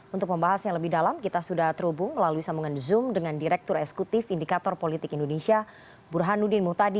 untuk pembahas yang lebih dalam kita sudah terhubung melalui sambungan zoom dengan direktur esekutif indikator politik indonesia burhanudin mutadi